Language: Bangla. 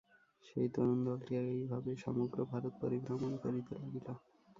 সেই তরুণদলটি এইভাবে সমগ্র ভারত পরিভ্রমণ করিতে লাগিল।